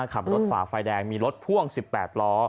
ฝ่าไฟแดงมีรถพ่วง๑๘ล้อ